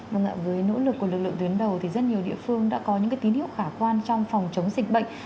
vâng ạ với nỗ lực của lực lượng tuyến đầu thì rất nhiều địa phương đã có những tín hiệu khả quan trong phòng chống dịch bệnh